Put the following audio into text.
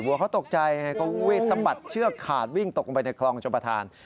วัวเขาตกใจเขาสมัดเชือกขาดวิ่งตกลงไปในคลองจบประทาน